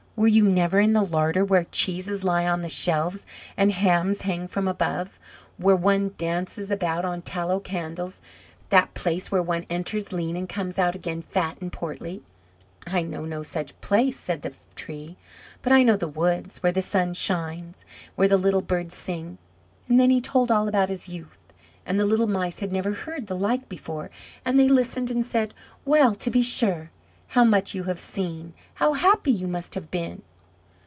Were you never in the larder, where cheeses lie on the shelves, and hams hang from above; where one dances about on tallow candles; that place where one enters lean, and comes out again fat and portly?" "I know no such place," said the Tree, "but I know the woods, where the sun shines, and where the little birds sing." And then he told all about his youth; and the little Mice had never heard the like before; and they listened and said: "Well, to be sure! How much you have seen! How happy you must have been!"